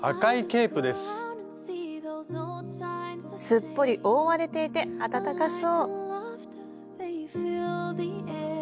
すっぽり覆われていて暖かそう。